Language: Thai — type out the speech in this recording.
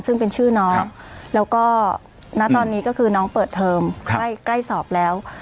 ซึ่งเป็นชื่อน้องแล้วก็ณตอนนี้ก็คือน้องเปิดเทอมใกล้ใกล้สอบแล้ว